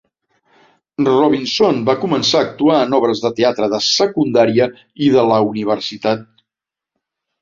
Robinson va començar a actuar en obres de teatre de secundària i de la universitat.